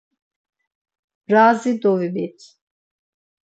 Razi doviyit.